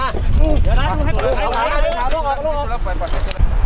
อะไรเอาไว้อ้าว